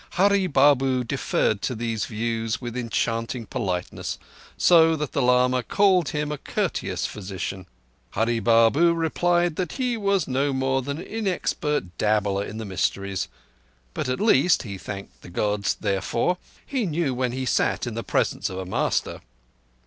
Hurree Babu deferred to these views with enchanting politeness, so that the lama called him a courteous physician. Hurree Babu replied that he was no more than an inexpert dabbler in the mysteries; but at least—he thanked the Gods therefore—he knew when he sat in the presence of a master.